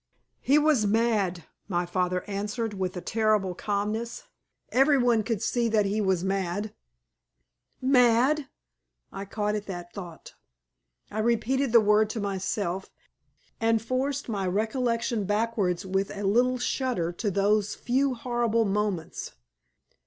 "He was mad," my father answered, with a terrible calmness. "Every one could see that he was mad." "Mad!" I caught at the thought. I repeated the word to myself, and forced my recollection backwards with a little shudder to those few horrible moments.